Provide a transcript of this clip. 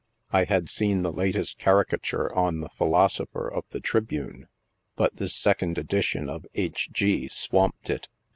F had seen the latest caricature on the philosopher of the Tribune, but this second edition of H. G. swamped it.